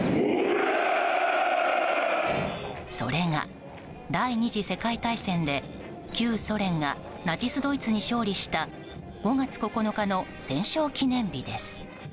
それが、第２次世界大戦で旧ソ連がナチスドイツに勝利した５月９日の戦勝記念日です。